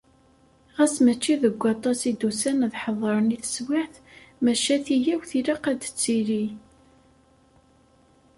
Ɣas mačči deg waṭas i d-usan ad ḥeḍren i teswiɛt, maca tigawt ilaq ad d-tili.